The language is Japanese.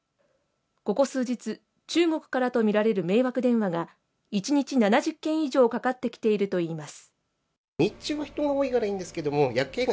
ここ数日中国からとみられる迷惑電話が１日７０件以上掛かってきているといいます